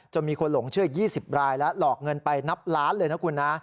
มีคนหลงเชื่อ๒๐รายแล้วหลอกเงินไปนับล้านเลยนะคุณนะ